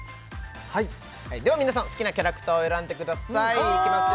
はいはいでは皆さん好きなキャラクターを選んでくださいいきます